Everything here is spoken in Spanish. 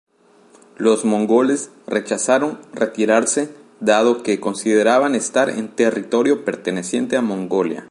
Los mongoles rechazaron retirarse, dado que consideraban estar en territorio perteneciente a Mongolia.